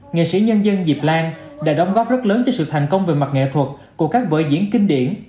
nghệ sĩ nhân dân diệp lan đã đóng góp rất lớn cho sự thành công về mặt nghệ thuật của các vở diễn kinh điển